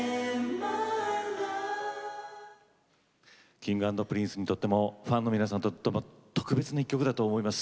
Ｋｉｎｇ＆Ｐｒｉｎｃｅにとっても、ファンにとっても特別な１曲だと思います。